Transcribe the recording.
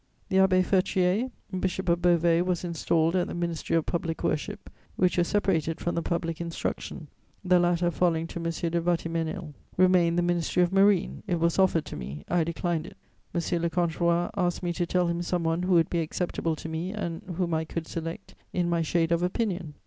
The Abbé Feutrier, Bishop of Beauvais, was installed at the Ministry of Public Worship, which was separated from the Public Instruction, the latter falling to M. de Vatimesnil. Remained the Ministry of Marine: it was offered to me; I declined it. M. le Comte Roy asked me to tell him some one who would be acceptable to me and whom I would select, in my shade of opinion.